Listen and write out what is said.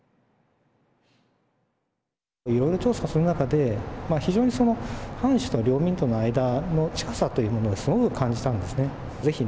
いろいろ調査する中で非常に藩主と領民との間の近さというものをすごく感じたんですね。